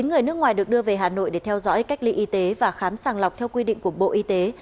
chín người nước ngoài được đưa về hà nội để theo dõi cách ly y tế và khám sàng lọc theo quy định của bộ y tế